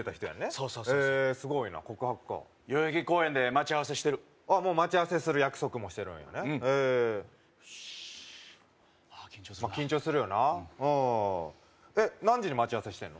そうそうそうそうへえっすごいな告白か代々木公園で待ち合わせしてる待ち合わせする約束もしてるんやうんへえっよしあっ緊張するなまあ緊張するよなえっ何時に待ち合わせしてんの？